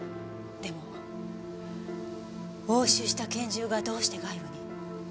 でも押収した拳銃がどうして外部に。